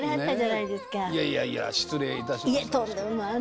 いやいやいや失礼いたしました。